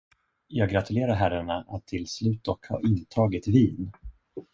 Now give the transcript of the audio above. Jag gratulerar herrarna att till slut dock ha intagit Wien.